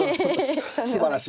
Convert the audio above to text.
すばらしいです。